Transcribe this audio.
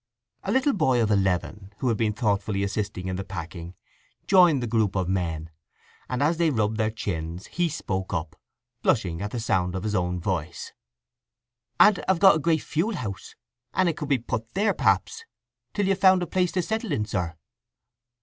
A little boy of eleven, who had been thoughtfully assisting in the packing, joined the group of men, and as they rubbed their chins he spoke up, blushing at the sound of his own voice: "Aunt have got a great fuel house, and it could be put there, perhaps, till you've found a place to settle in, sir."